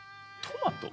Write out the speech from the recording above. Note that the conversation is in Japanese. トマト。